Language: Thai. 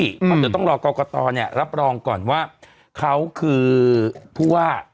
เดี๋ยวต้องรอกอกตรรับรองก่อนว่าเค้าคือผู้ว่า